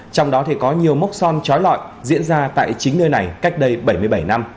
trong đó thì có nhiều mốc son trói lọi diễn ra tại chính nơi này cách đây bảy mươi bảy năm